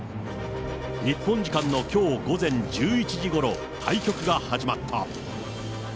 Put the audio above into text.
日本時間のきょう午前１１時ごろ、対局が始まった。